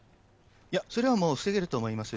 それはもう、防げると思います。